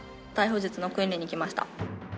逮捕術の訓練に来ました。